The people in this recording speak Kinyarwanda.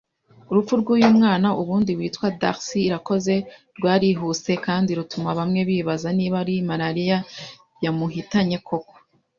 Urupfu rw'uyu mwana, ubundi witwa Darcy Irakoze, rwarihuse kandi rutuma bamwe bibaza niba ari malaria yamuhitanye koko.